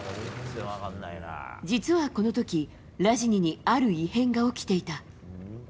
実はこの時、ラジニにある異変が起きていた。